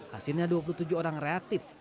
hasilnya dua puluh tujuh orang reaktif